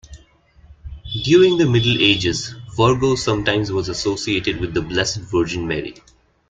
During the Middle Ages, Virgo sometimes was associated with the Blessed Virgin Mary.